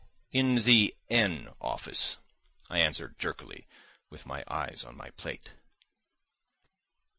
"In the N—— office," I answered jerkily, with my eyes on my plate.